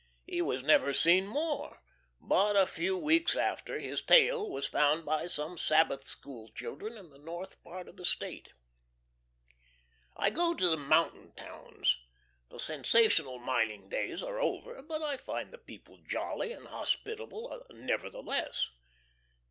He was never seen more; but a few weeks after his tail was found by some Sabbath school children in the north part of the State. .... I go to the mountain towns. The sensational mining days are over, but I find the people jolly and hospitable nevertheless.